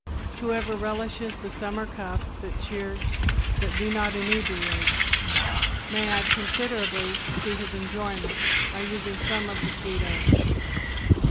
Whoever relishes the summer cups that cheer but do not inebriate may add considerably to his enjoyment by using some of the sweet herbs.